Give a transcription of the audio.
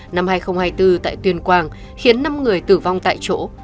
năm hai nghìn hai mươi bốn tại tuyên quang khiến năm người tử vong tại chỗ